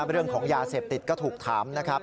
เรื่องของยาเสพติดก็ถูกถามนะครับ